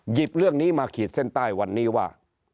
เรื่องนี้มาขีดเส้นใต้วันนี้ว่า